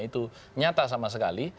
itu nyata sama sekali